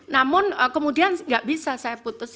namun kemudian nggak bisa saya putus